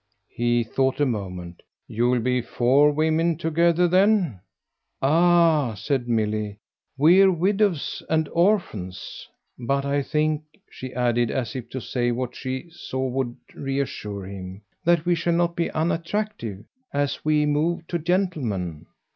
He thought a moment. "You'll be four women together then?" "Ah," said Milly, "we're widows and orphans. But I think," she added as if to say what she saw would reassure him, "that we shall not be unattractive, as we move, to gentlemen.